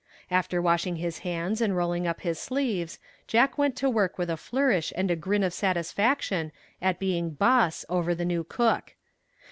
After washing his hands and rolling up his sleeves, Jack went to work with a flourish and a grin of satisfaction at being "boss" over the new cook.